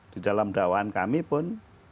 di dalam dakwaan kami pun